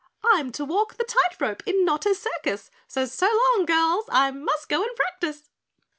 "I'm to walk the tight rope in Notta's circus, so SO long, girls, I must go and practice."